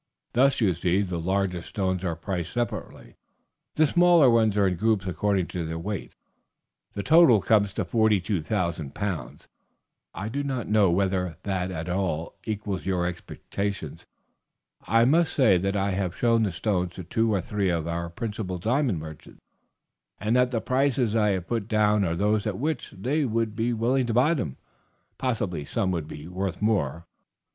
Thus, you see, the largest stones are priced separately; the smaller ones are in groups according to their weight. The total comes to 42,000 pounds. I do not know whether that at all equals your expectations. I may say that I have shown the stones to two or three of our principal diamond merchants, and that the prices I have put down are those at which they would be willing to buy them; possibly some would be worth more.